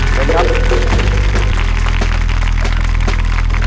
สวัสดีครับ